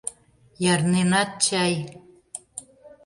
Ярненат чай?